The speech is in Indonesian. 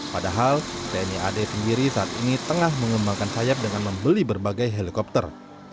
padahal tni ad sendiri saat ini tengah mengembangkan sayap dengan membeli berbagai helikopter